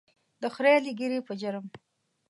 د خرییلې ږیرې په جرم.